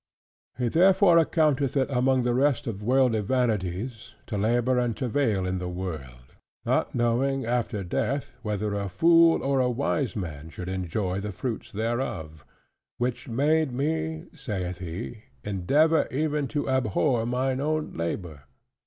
He therefore accounteth it among the rest of worldly vanities, to labor and travail in the world; not knowing after death whether a fool or a wise man should enjoy the fruits thereof: "which made me (saith he) endeavor even to abhor mine own labor."